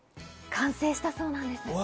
完成したそうなんです。